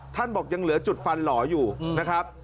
บอกยังเหลือจุดฟันหล่ออยู่นะครับ